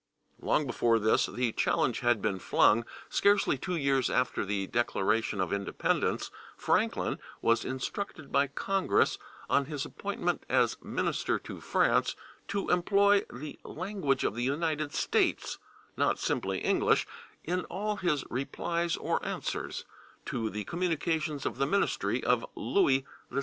Long before this the challenge had been flung. Scarcely two years after the Declaration of Independence Franklin was instructed by Congress, on his appointment as minister to France, to employ "the language of the United States," not simply English, in all his "replies or answers" to the communications of the ministry of Louis XVI.